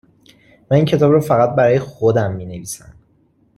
من این کتاب را فقط برای خودم می نویسم